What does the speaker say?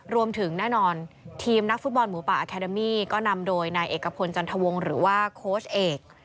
รวมถึงแน่นอนทีมนักฟุตบอลหมูป่าอาคาเดมี่ก็นำโดยนายเอกพลจันทวงศ์หรือว่าโค้ชเอก